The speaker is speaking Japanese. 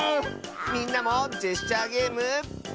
みんなもジェスチャーゲーム。